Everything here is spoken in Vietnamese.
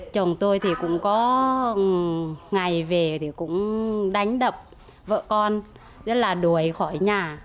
chồng tôi thì cũng có ngày về thì cũng đánh đập vợ con rất là đuổi khỏi nhà